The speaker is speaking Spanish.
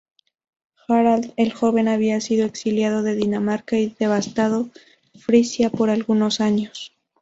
Harald el Joven había sido exiliado de Dinamarca y devastado Frisia por algunos años.